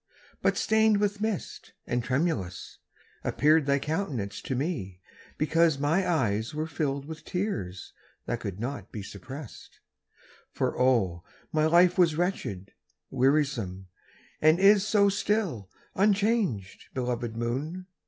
But stained with mist, and tremulous, appeared Thy countenance to me, because my eyes Were filled with tears, that could not be suppressed; For, oh, my life was wretched, wearisome, And is so still, unchanged, belovèd moon!